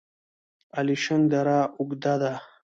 الیشنګ دره اوږده ده؟